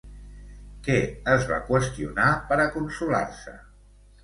Què es va qüestionar per a consolar-se?